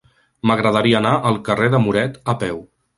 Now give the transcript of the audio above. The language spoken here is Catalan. M'agradaria anar al carrer de Muret a peu.